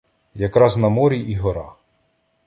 Якраз на морі і гора!